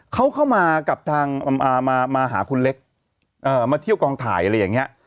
เขาเข้ามากับทางมาหาคุณเล็กมาเที่ยวกองถ่ายอะไรอย่างนี้